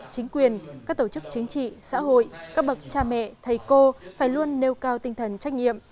chính quyền các tổ chức chính trị xã hội các bậc cha mẹ thầy cô phải luôn nêu cao tinh thần trách nhiệm